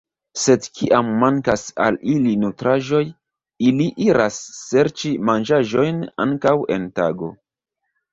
Sed kiam mankas al ili nutraĵoj, ili iras serĉi manĝaĵojn ankaŭ en tago.